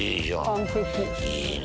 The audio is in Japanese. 完璧！